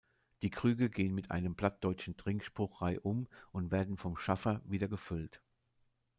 Die Krüge gehen mit einem plattdeutschen Trinkspruch reihum und werden vom Schaffer wieder gefüllt.